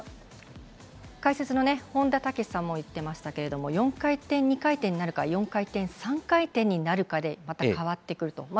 解説の本田武史さんも言っていましたが４回転、２回転になるか４回転、３回転になるかでまた変わってくると。